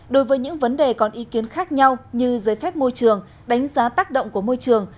đối với những vấn đề còn ý kiến khác nhau như giấy phép môi trường đánh giá tác động của môi trường